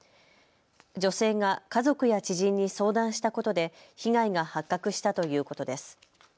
女性が家族や知人に相談したことで被害が発覚したということです。